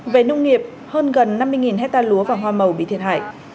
về nông nghiệp hơn gần năm mươi hectare lúa và hoa màu bị thiệt hại